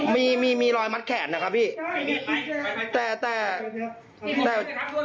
มีมีรอยมัดแขนนะครับพี่แต่แต่แต่